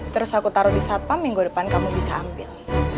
terus aku taruh di satpam minggu depan kamu bisa ambil